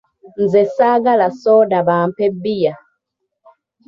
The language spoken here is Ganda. Nze saagala soda bampe bbiya.